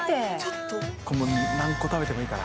何個食べてもいいから。